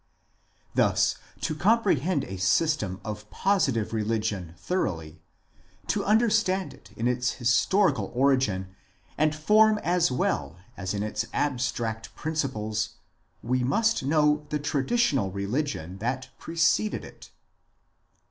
Thus, to comprehend a system of positive religion thoroughly, to understand it in its 1 2 IMMORTALITY AND THE UNSEEN WORLD historical origin and form as well as in its abstract principles, we must know the traditional religion that preceded it."